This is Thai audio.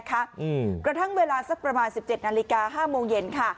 กระทั่งเวลาสักประมาณ๑๗นาฬิกา๕โมงเย็นค่ะ